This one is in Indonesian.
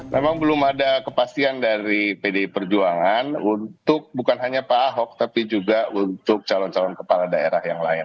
memang belum ada kepastian dari pdi perjuangan untuk bukan hanya pak ahok tapi juga untuk calon calon kepala daerah yang lain